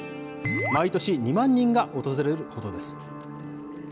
毎年２万人が訪れるほどです。